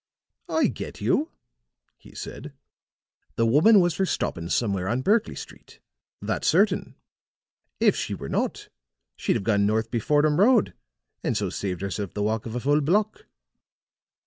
"I get you," he said. "The woman was for stoppin' somewhere on Berkley Street. That's certain. If she were not, she'd have gone north be Fordham Road and so saved herself the walk av a full block."